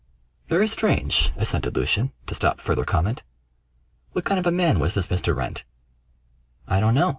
"Very strange!" assented Lucian, to stop further comment. "What kind of a man was this Mr. Wrent?" "I don't know.